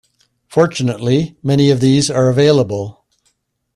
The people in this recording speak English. Fortunately, many of these are available.